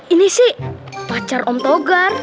ini sih pacar om togar